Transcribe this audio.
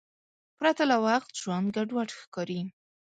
پرته له وخت ژوند ګډوډ ښکاري.